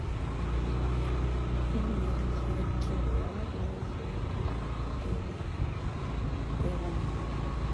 He made his career largely in Lebanon.